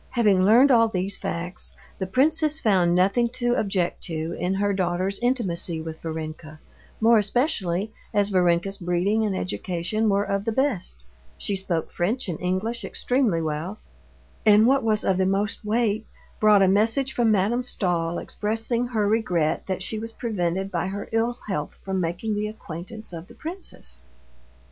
Having learned all these facts, the princess found nothing to object to in her daughter's intimacy with Varenka, more especially as Varenka's breeding and education were of the best—she spoke French and English extremely well—and what was of the most weight, brought a message from Madame Stahl expressing her regret that she was prevented by her ill health from making the acquaintance of the princess.